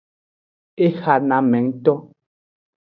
Exanamengto.